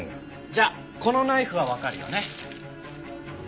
じゃあこのナイフはわかるよね？